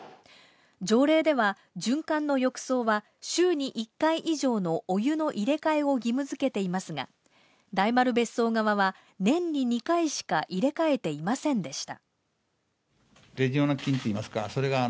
条例では、循環の浴槽は週に１回以上のお湯の入れ替えを義務づけていますが、大丸別荘側は年に２回しか入れ替えていませんでした。